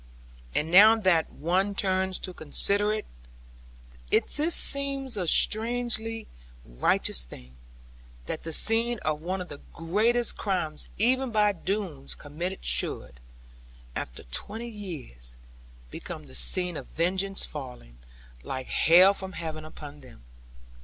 And now that one turns to consider it, this seems a strangely righteous thing, that the scene of one of the greatest crimes even by Doones committed should, after twenty years, become the scene of vengeance falling (like hail from heaven) upon them.